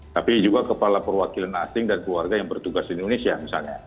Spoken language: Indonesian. tapi juga kepala perwakilan asing dan keluarga yang bertugas di indonesia misalnya